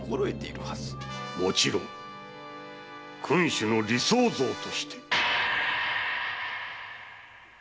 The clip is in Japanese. もちろん君主の理想像として。